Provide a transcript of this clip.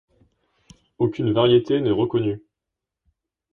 Aucune variété n'est reconnue.